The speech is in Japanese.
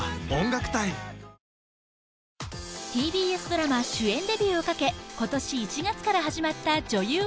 ＴＢＳドラマ主演デビューをかけ今年１月から始まった女優